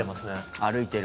歩いてる。